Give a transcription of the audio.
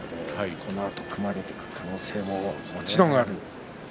このあと組まれてくる可能性ももちろんあります。